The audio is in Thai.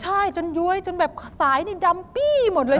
ใช่จนย้วยจนแบบสายนี่ดำปี้หมดเลย